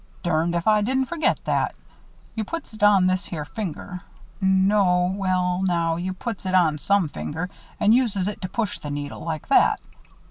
"Durned if I didn't forget that. You puts it on this here finger no well now, you puts it on some finger and uses it to push the needle like that."